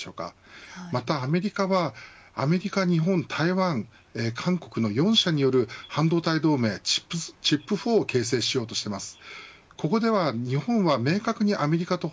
またアメリカはアメリカ、日本台湾、韓国の４社による半導体同盟Ｃｈｉｐを形成しようとしています。